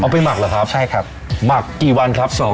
ไปหมักเหรอครับใช่ครับหมักกี่วันครับ